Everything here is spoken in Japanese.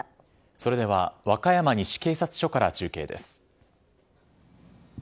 それでは和歌山西警察署から中継です。